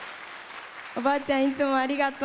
おばあちゃんいつもありがとう。